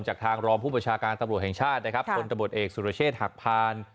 จากทางรองผู้ประชาการตำรวจแห่งชาตินะครับพลตำรวจเอกสุรเชษฐ์หักพาน